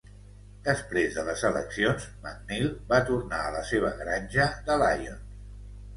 Després de les eleccions, McNeil va tornar a la seva granja de Lyons.